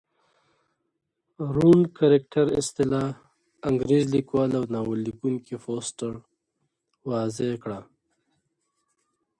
رونډ کرکټراصطلاح انکرېرلیکوال اوناول لیکوونکي فوسټر واضع کړه.